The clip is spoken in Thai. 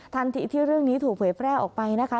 ทันทีที่เรื่องนี้ถูกเผยแพร่ออกไปนะคะ